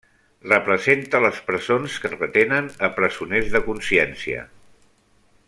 Representa les presons que retenen a presoners de consciència.